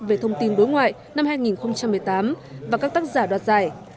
về thông tin đối ngoại năm hai nghìn một mươi tám và các tác giả đoạt giải